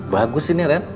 bagus ini ren